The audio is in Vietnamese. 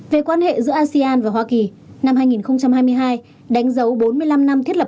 về quan hệ giữa asean và hoa kỳ năm hai nghìn hai mươi hai đánh dấu bốn mươi năm năm thiết lập